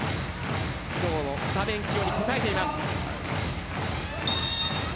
今日のスタメン起用に応えています。